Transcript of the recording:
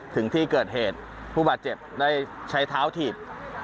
ถึงที่เกิดเหตุผู้บาดเจ็บได้ใช้เท้าถีบ